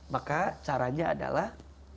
maka caranya adalah